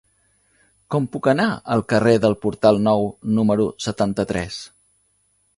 Com puc anar al carrer del Portal Nou número setanta-tres?